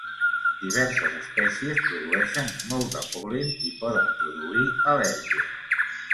Diverses espècies produeixen molt de pol·len i poden produir al·lèrgia.